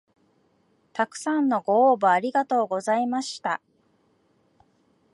たくさんのご応募ありがとうございました